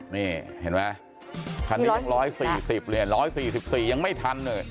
นี่เห็นไหมคันนี้ยัง๑๔๐เลย๑๔๔ยังไม่ทันเลย